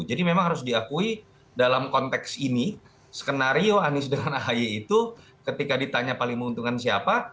jadi memang harus diakui dalam konteks ini skenario anies dengan ahy itu ketika ditanya paling menguntungkan siapa